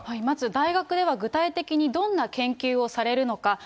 まず大学では具体的にどんな研究をされるのか。